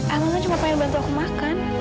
abang kan cuma pengen bantu aku makan